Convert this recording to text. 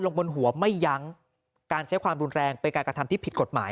บนหัวไม่ยั้งการใช้ความรุนแรงเป็นการกระทำที่ผิดกฎหมาย